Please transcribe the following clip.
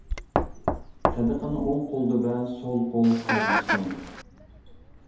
سەدىقىنى ئوڭ قولدا بەر، سول قول سەزمىسۇن.